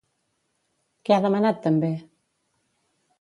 Què ha demanat també?